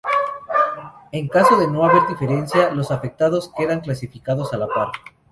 En caso de no haber diferencia, los afectados quedan clasificados a la par.